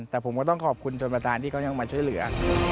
แต่ผมก็ต้องขอบคุณชนประธานที่เขายังมาช่วยเหลือ